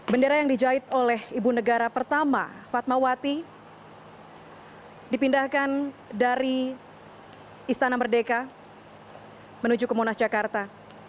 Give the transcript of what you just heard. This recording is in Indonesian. bendera yang dijahit oleh ibu negara pertama fatmawati dipindahkan dari istana merdeka menuju ke monas jakarta